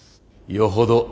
よほど